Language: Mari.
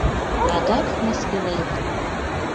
Адак мыскылет?